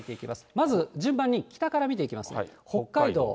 まず、順番に北から見ていきます。